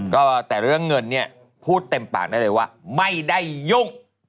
ก็แต่เรื่องเงินเนี่ยพูดเต็มปากได้เลยว่าไม่ได้ยุ่ง